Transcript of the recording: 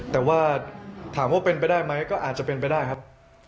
แต่ว่าถามว่าเป็นไปได้ไหมก็อาจจะเป็นไปได้ครับ